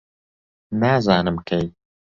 نازانم کەی